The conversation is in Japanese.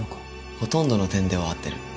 ほとんどの点では合ってる。